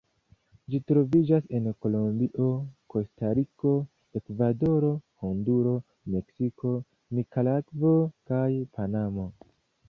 Ĝi troviĝas en Kolombio, Kostariko, Ekvadoro, Honduro, Meksiko, Nikaragvo kaj Panamo.